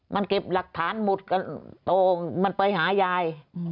มันเก็บหลักฐานหมดก็โตมันไปหายาย